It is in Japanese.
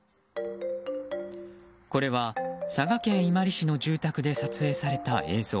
これは、佐賀県伊万里市の住宅で撮影された映像。